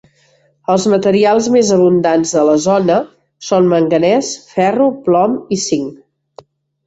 Els materials més abundants de la zona són manganès, ferro, plom i cinc.